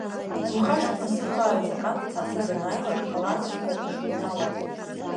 Иухашҭма, сыхаара Закан, Цаца данааилак ала кыдҟьо, ушыҩналало.